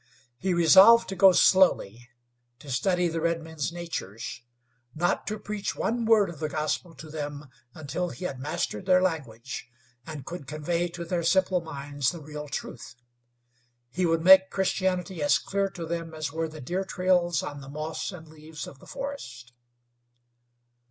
He resolved to go slowly; to study the redmen's natures; not to preach one word of the gospel to them until he had mastered their language and could convey to their simple minds the real truth. He would make Christianity as clear to them as were the deer trails on the moss and leaves of the forest.